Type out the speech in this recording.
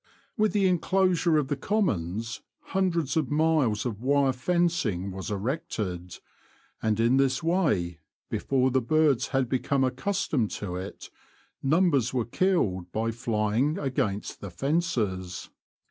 With the enclosure of the Commons hundreds of miles of wire fencing was erected, and in this way, before the birds had become accustomed to it, numbers were killed by flying against the 1 1 2 The Confessions of a T^oacher, fences.